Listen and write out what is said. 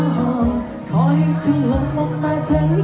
รอขอให้เธอลองมองมาเธอ